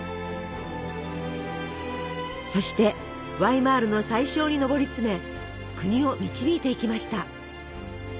そしてワイマールの宰相に上り詰め国を導いていきました。